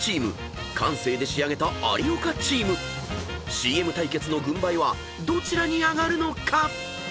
［ＣＭ対決の軍配はどちらに上がるのか］